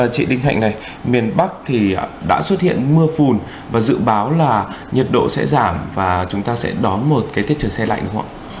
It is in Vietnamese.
chị đinh hạnh này miền bắc thì đã xuất hiện mưa phùn và dự báo là nhiệt độ sẽ giảm và chúng ta sẽ đón một cái tiết trời xe lạnh đúng không ạ